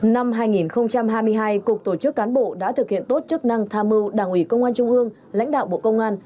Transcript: năm hai nghìn hai mươi hai cục tổ chức cán bộ đã thực hiện tốt chức năng tham mưu đảng ủy công an trung ương lãnh đạo bộ công an